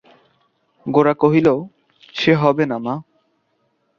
গোরা কহিল, সে হবে না মা!